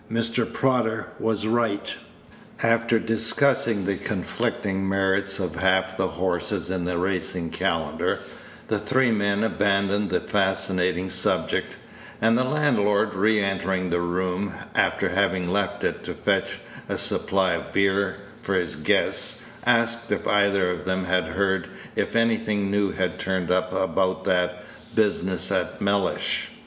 Mr. Prodder was right. After discussing the conflicting merits of half the horses in the racing calendar, the three men abandoned the fascinating subject; and the landlord, re entering the room after having left it to fetch a supply of beer for his guests, asked if either of them had heard if anything new had turned up about that business at Mellish.